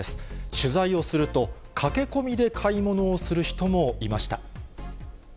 取材をすると、駆け込みで買い物をする人もいました。